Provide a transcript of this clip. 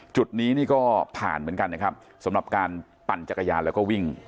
จุดนี้นี่ก็ผ่านเหมือนกันนะครับสำหรับการปั่นจักรยานแล้วก็วิ่ง